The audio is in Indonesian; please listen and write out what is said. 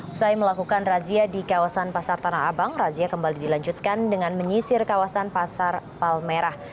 usai melakukan razia di kawasan pasar tanah abang razia kembali dilanjutkan dengan menyisir kawasan pasar palmerah